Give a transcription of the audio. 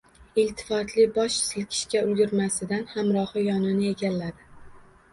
Iltifotli bosh silkishga ulgurmasidan hamrohi yonini egalladi.